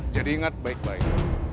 jadi ingat baik baik